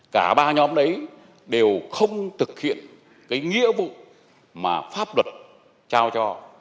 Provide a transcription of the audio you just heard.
cả ba nhóm đấy đều không thực hiện cái nghĩa vụ mà pháp luật trao cho